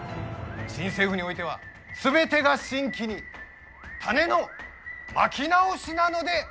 新政府においては、全てが新規に種のまき直しなのである！